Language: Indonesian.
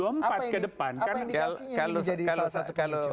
apa indikasinya ini menjadi salah satu kekecoh